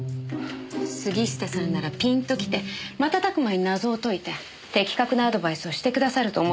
杉下さんならピンときて瞬く間に謎を解いて的確なアドバイスをしてくださると思ってました。